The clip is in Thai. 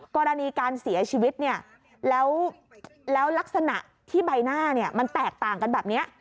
กรณีการเสียชีวิตเนี่ยแล้วลักษณะที่ใบหน้ามันแตกต่างกันแบบนี้